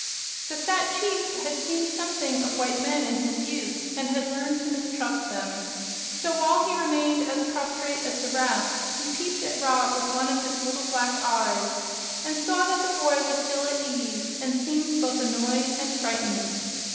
The fat chief had seen something of white men in his youth, and had learned to mistrust them. So, while he remained as prostrate as the rest, he peeped at Rob with one of his little black eyes and saw that the boy was ill at ease, and seemed both annoyed and frightened.